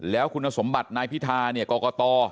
แล้วคุณสมบัตินายพิธาเนี่ยกรกต